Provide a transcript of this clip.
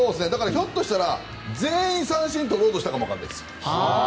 ひょっとしたら全員三振とろうとしたかも分からないです。